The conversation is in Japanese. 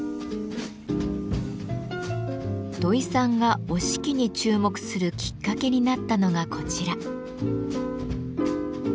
土井さんが折敷に注目するきっかけになったのがこちら。